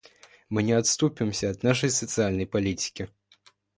Мы не отступимся от нашей социальной политики.